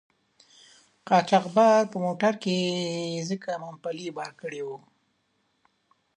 قاچاقبر په موټر کې ځکه مومپلي بار کړي وو.